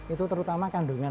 itu terutama kandungan air